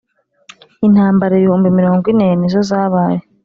Intambara ibihumbi mirongo ine nizozabaye.